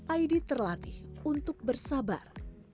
aidi terlatih untuk bersabar